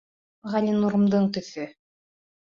Ғәлинурымдың төҫө!